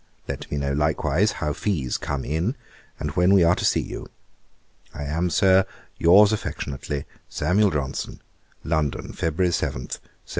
Let me know likewise how fees come in, and when we are to see you. 'I am. Sir, Yours affectionately, SAM. JOHNSON. London, Feb. 7, 1774.